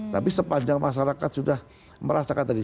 tapi sepanjang masyarakat sudah merasakan tadi